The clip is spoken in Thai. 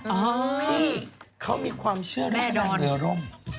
พี่เขามีความเชื่อให้พนังเรือร่ม